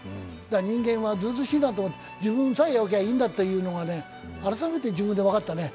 人間はずうずうしいなと、自分さえよきゃいいんだと、改めて自分で分かったね。